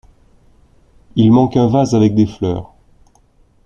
Il manque un vase avec des fleurs.